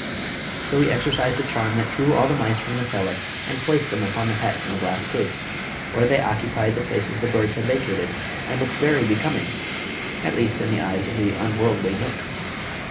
So he exercised a charm that drew all the mice from the cellar and placed them upon the hats in the glass case, where they occupied the places the birds had vacated and looked very becoming—at least, in the eyes of the unworldly knook.